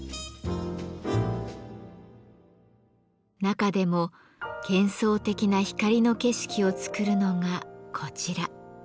中でも幻想的な光の景色を作るのがこちら。